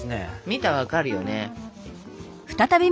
見たら分かるよね。